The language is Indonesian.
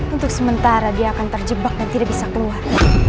untuk sementara dia akan terjebak dan tidak bisa keluar